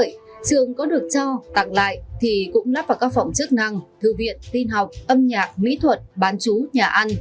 trường có được cho tặng lại thì cũng lắp vào các phòng chức năng thư viện tin học âm nhạc mỹ thuật bán chú nhà ăn